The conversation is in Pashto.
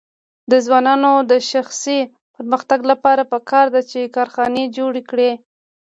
د ځوانانو د شخصي پرمختګ لپاره پکار ده چې کارخانې جوړې کړي.